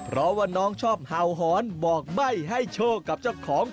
เพราะว่าน้องชอบเห่าหอนบอกใบ้ให้โชคกับเจ้าของ